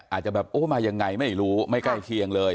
อาจจะแบบโอ้มายังไงไม่รู้ไม่ใกล้เคียงเลย